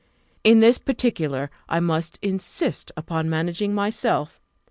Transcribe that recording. In this particular I must insist upon managing myself.